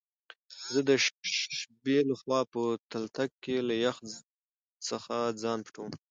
زه دشبی له خوا په تلتک کی له يخ ځخه ځان پټوم